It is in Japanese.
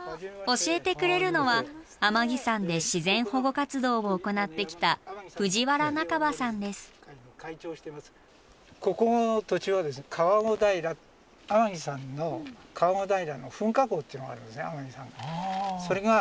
教えてくれるのは天城山で自然保護活動を行ってきたこれが上空から見た皮子平。